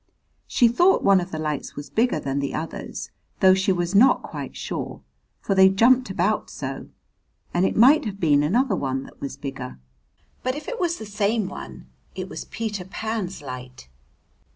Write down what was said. She thought one of the lights was bigger than the others, though she was not quite sure, for they jumped about so, and it might have been another one that was bigger. But if it was the same one, it was Peter Pan's light.